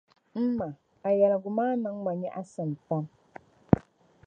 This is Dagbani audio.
M ma, a yɛligu maa niŋ ma nyaɣisim pam.